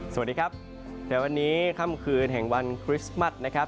สวัสดีครับในวันนี้ค่ำคืนแห่งวันคริสต์มัสนะครับ